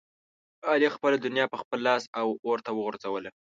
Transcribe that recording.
علي خپله دنیا په خپل لاس اورته وغورځوله.